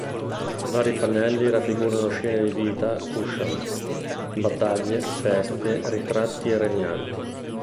Vari pannelli raffigurano scene di vita Kushan: battaglie, feste, ritratti e regnanti.